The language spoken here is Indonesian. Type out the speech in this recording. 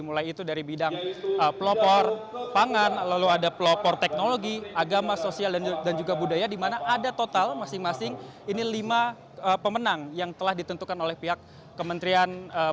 mulai itu dari bidang pelopor pangan lalu ada pelopor teknologi agama sosial dan juga budaya di mana ada total masing masing ini lima pemenang yang telah ditentukan oleh pihak kementerian